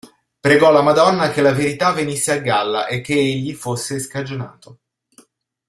Pregò la Madonna che la verità venisse a galla e che egli fosse scagionato.